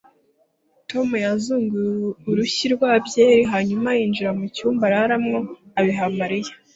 Tom yazunguye urushyi rwa byeri hanyuma yinjira mu cyumba araramo, abiha Mariya